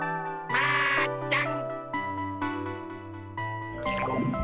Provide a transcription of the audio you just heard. マーちゃん。